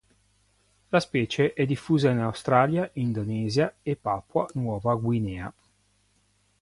La specie è diffusa in Australia, Indonesia e Papua Nuova Guinea.